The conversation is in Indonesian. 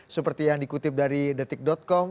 seperti yang dikutip dari detik com